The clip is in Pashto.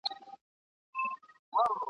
د ګیدړ تر ناز د زمري څيرل ښه دي !.